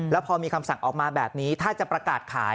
แล้วพอมีคำสั่งออกมาแบบนี้ถ้าจะประกาศขาย